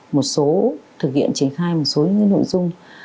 một số thực hiện triển khai một số nội dung